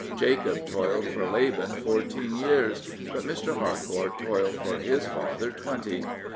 Jacob toiled for Laban fourteen years; but Mr. Harcourt toiled for his father twenty.